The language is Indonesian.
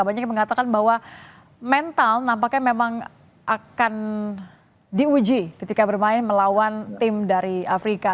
banyak yang mengatakan bahwa mental nampaknya memang akan diuji ketika bermain melawan tim dari afrika